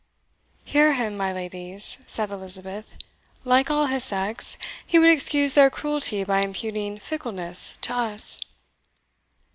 "Hear him, my ladies," said Elizabeth; "like all his sex, he would excuse their cruelty by imputing fickleness to us."